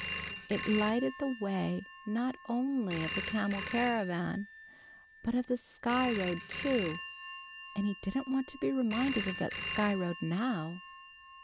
It lighted the way not only of the camel caravan, but of the Sky Road too, and he didn't want to be reminded of that Sky Road now.